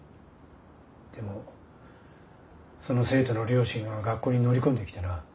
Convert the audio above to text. でもその生徒の両親は学校に乗り込んできてな。